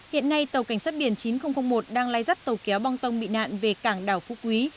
hiện nay tàu cảnh sát biển chín nghìn một đang lai rắp tàu kéo bong tông bị nạn về cảng đảo phúc quý